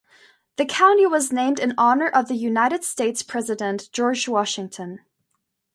The county was named in honor of the United States President George Washington.